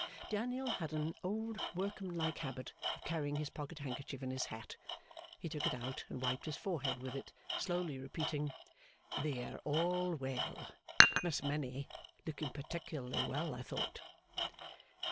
Daniel had an old workmanlike habit of carrying his pocket handkerchief in his hat. He took it out and wiped his forehead with it, slowly repeating, 'They are all well. Miss Minnie looking particularly well, I thought.